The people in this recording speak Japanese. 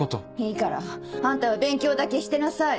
いいからあんたは勉強だけしてなさい。